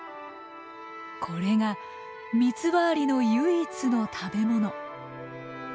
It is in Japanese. これがミツバアリの唯一の食べ物。